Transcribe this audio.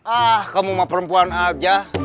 ah kamu mau perempuan aja